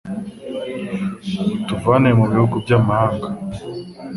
utuvane mu bihugu by’amahanga